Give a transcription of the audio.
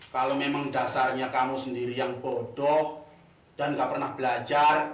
kalau memang dasarnya kamu sendiri yang bodoh dan gak pernah belajar